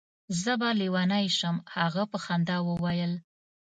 زه به لېونی شم. هغه په خندا وویل.